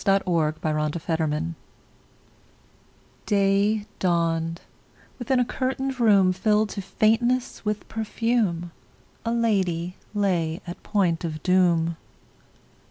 Y Z History of a Life DAY dawned: within a curtained room, Filled to faintness with perfume, A lady lay at point of doom.